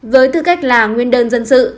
với tư cách là nguyên đơn dân sự